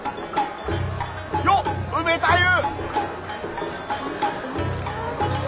よっ梅太夫！